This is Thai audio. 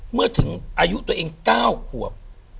เมื่อถึงอายุตัวเอง๙ขวบ